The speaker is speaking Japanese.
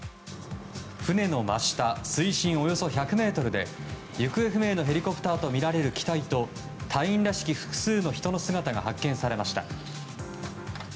船の真下水深およそ１００ｍで行方不明のヘリコプターとみられる機体と隊員らしき複数の人の姿が発見されました。